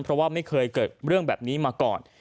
เพราะว่าไม่เคยเกิดเรื่องแบบนี้มาก่อน